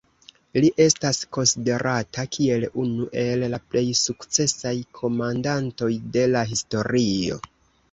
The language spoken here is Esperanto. Li estas konsiderata kiel unu el la plej sukcesaj komandantoj de la historio.